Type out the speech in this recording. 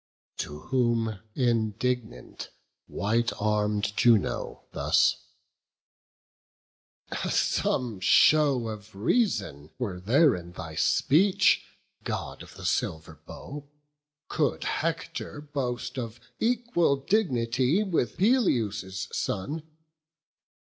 To whom, indignant, white arm'd Juno thus: "Some show of reason were there in thy speech, God of the silver bow, could Hector boast Of equal dignity with Peleus' son.